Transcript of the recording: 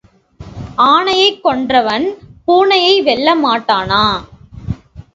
ஆனையைக் கொன்றவன் பூனையை வெல்ல மாட்டானா?